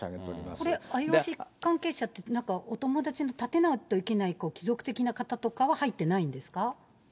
これ、ＩＯＣ関係者って、なんかお友達を立てないといけないと、帰属的な方々とかは入ってないんですか？